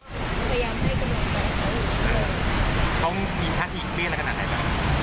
โดยมันเชียร์แหละ